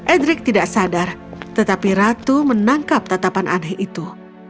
edrik tidak sadar tetapi ratu menangkap tatapan aneh itu